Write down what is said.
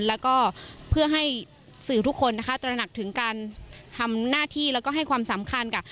แล้วก็เพื่อให้สื่อทุกคนนะคะตระหนักถึงการทำหน้าที่แล้วก็ให้ความสำคัญกับ